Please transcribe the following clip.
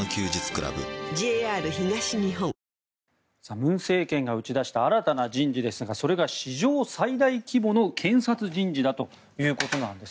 文政権が打ち出した新たな人事ですがそれが史上最大規模の検察人事だということです。